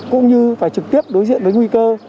cũng như phải trực tiếp đối diện với nguy cơ